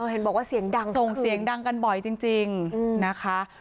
เห็นบอกว่าเสียงดังกันบ่อยจริงนะคะ